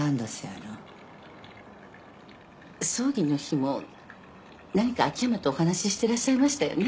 葬儀の日も何か秋山とお話ししてらっしゃいましたよね？